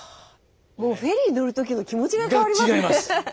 もうフェリー乗るときの気持ちが変わりますね。